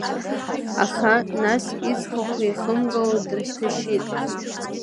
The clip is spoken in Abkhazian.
Аха, нас ицхахә еихамгыло дрыхьҭашьит.